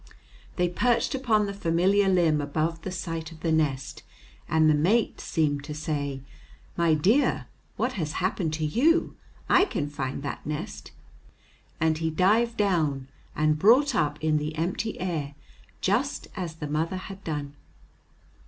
They perched upon the familiar limb above the site of the nest, and the mate seemed to say, "My dear, what has happened to you? I can find that nest." And he dived down, and brought up in the empty air just as the mother had done.